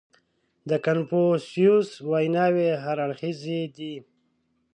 • د کنفوسیوس ویناوې هر اړخیزې دي.